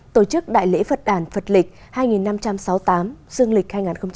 tổ chức đại lễ phật đàn phật lịch hai nghìn năm trăm sáu mươi tám dương lịch hai nghìn hai mươi bốn